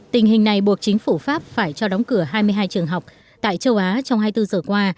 tình hình này buộc chính phủ pháp phải cho đóng cửa hai mươi hai trường học tại châu á trong hai mươi bốn giờ qua